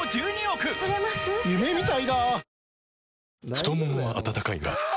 太ももは温かいがあ！